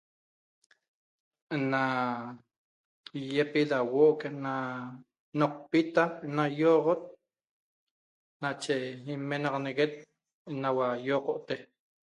Na yepi da huo'o na nqopita na ioxo nache inmenaxaneguet enaua ioxote